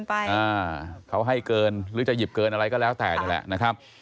อ่าเขาให้เกินหรือจะหยิบเกินอะไรก็แล้วแต่นี่แหละนะครับ